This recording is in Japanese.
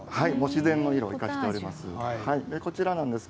自然の色を生かしたものです。